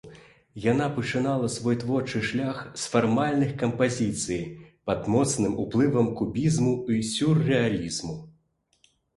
Яна пачынала свой творчы шлях з фармальных кампазіцый пад моцным уплывам кубізму і сюррэалізму.